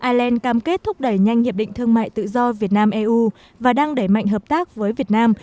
ireland cam kết thúc đẩy nhanh hiệp định thương mại tự do việt nam eu và đang đẩy mạnh hợp tác với việt nam